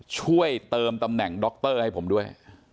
ช่วยเติมตำแหน่งดรให้ผมด้วย